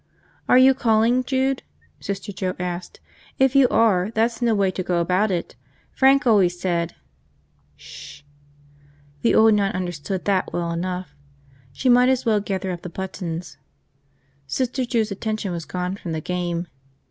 "Are you calling, Jude?" Sister Joe asked. "If you are, that's no way to go about it. Frank always said ..." "Sh!" The old nun understood that well enough. She might as well gather up the buttons. Sister Jude's attention was gone from the game.